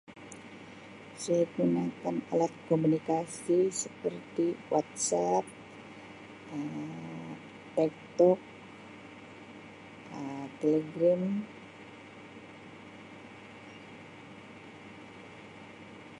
"Saya gunakan alat komunikasi seperti ""WhatsApp"", Um ""KakaoTalk"", Um ""Telegram""."